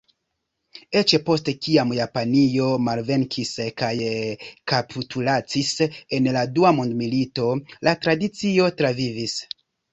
Eĉ post kiam Japanio malvenkis kaj kapitulacis en la Dua Mondmilito, la tradicio travivis.